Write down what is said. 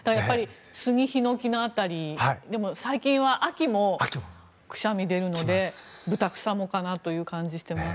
スギ、ヒノキの辺りでもでも最近は秋もくしゃみ出るのでブタクサもかなという感じがしています。